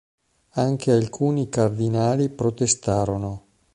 Anche alcuni cardinali protestarono.